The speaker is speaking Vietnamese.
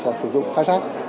và sử dụng khai thác